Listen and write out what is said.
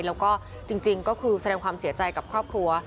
แล้วก็จริงก็คือแสดงความเสียใจกับครอบครัว